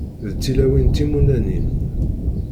D tilawin timunanin.